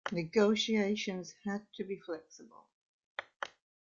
Negotiations had to be flexible.